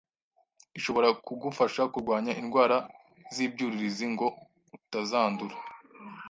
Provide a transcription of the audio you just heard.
ishobora kugufasha kurwanya indwara z’ibyuririzi ngo utazandura